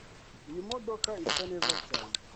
Iyi modoka isa neza cyane.